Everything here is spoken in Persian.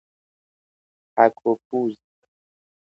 پک و پوز